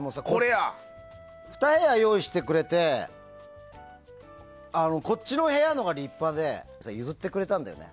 ２部屋用意してくれてこっちの部屋のほうが立派で譲ってくれたんだよね。